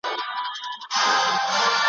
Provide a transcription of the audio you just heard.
کښتۍ هم ورڅخه ولاړه پر خپل لوري `